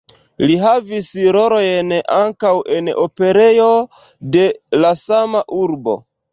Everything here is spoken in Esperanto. Li havis rolojn ankaŭ en operejo de la sama urbo.